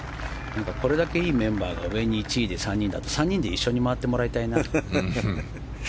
これだけいいメンバーが上にいると、３人で一緒に回ってもらいたいな。